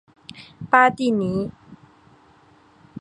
巴蒂尼。